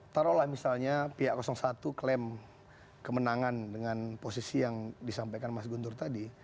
taruhlah misalnya pihak satu klaim kemenangan dengan posisi yang disampaikan mas guntur tadi